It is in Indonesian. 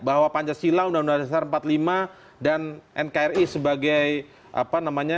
bahwa pancasila undang undang dasar empat puluh lima dan nkri sebagai apa namanya